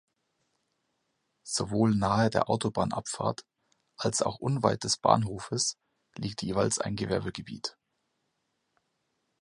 Sowohl nahe der Autobahnabfahrt als auch unweit des Bahnhofes liegt jeweils ein Gewerbegebiet.